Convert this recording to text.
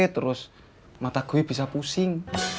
terus mata gue bisa pusing